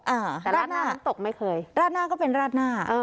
อ่าแต่ราดหน้าน้ำตกไม่เคยราดหน้าก็เป็นราดหน้าเออ